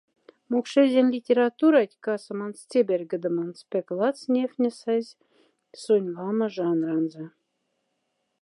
Мокшэрзянь литературать касоманц-цебярьгодоманц пяк лац няфнесазь сонь лама жанранза.